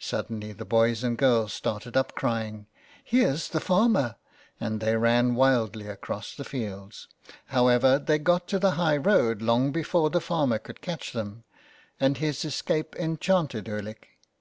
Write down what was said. Suddenly the boys and girls started up, crying '' Here's the farmer," and they ran wildly across the fields. However, they got to the high road long before the farmer could catch them, and his escape enchanted Ulick.